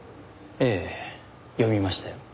ええ読みましたよ。